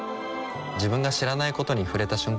自分が知らないことに触れた瞬間